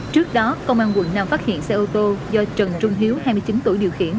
trước đó công an quận năm phát hiện xe ô tô do trần trung hiếu hai mươi chín tuổi điều khiển